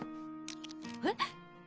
えっ？